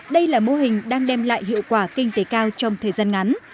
đây là mô hình đang đem lại hiệu quả kinh tế cao trong thời gian ngắn